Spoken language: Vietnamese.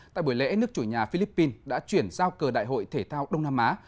tại buổi lễ nước chủ nhà philippines đã chuyển giao cờ đại hội thể thao đông nam á